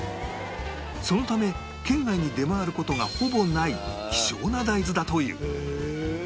そのため県外に出回る事がほぼない希少な大豆だという